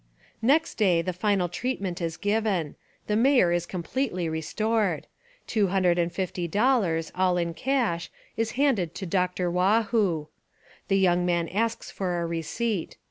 Next day the final treatment is given. The Mayor is completely restored. Two hundred and fifty dollars, all in cash, is handed to "Dr. Waugh hoo," The young man asks for a receipt.